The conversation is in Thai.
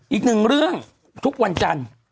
อีกหนึ่งเรื่องทุกวันจันทร์